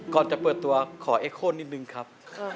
ก่อนจะเปิดตัวขอเอ็กโค้นนิดนึงครับ